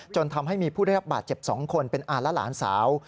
จนทำให้มีผู้ได้รับบาดเจ็บ๒คนเป็นอาและหลานสาว